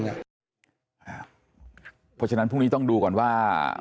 เพราะฉะนั้นพรุ่งนี้ต้องดูก่อนว่า